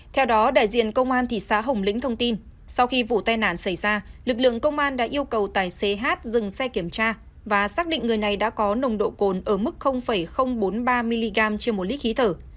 theo đó đại diện công an thị xã hồng lĩnh thông tin sau khi vụ tai nạn xảy ra lực lượng công an đã yêu cầu tài xế h dừng xe kiểm tra và xác định người này đã có nồng độ cồn ở mức bốn mươi ba mg trên một lít khí thở